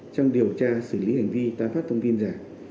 trong điều tra xử lý hành vi tác pháp thông tin giả